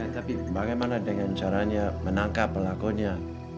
tapi bagaimana dengan caranya menangkap pelakunya